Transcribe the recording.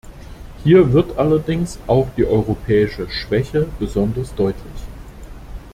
Hier wird allerdings auch die europäische Schwäche besonders deutlich.